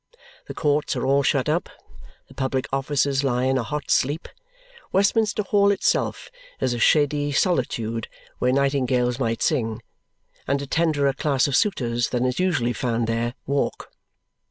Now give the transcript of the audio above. The courts are all shut up; the public offices lie in a hot sleep. Westminster Hall itself is a shady solitude where nightingales might sing, and a tenderer class of suitors than is usually found there, walk.